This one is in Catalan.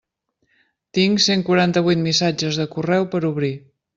Tinc cent quaranta-vuit missatges de correu per obrir.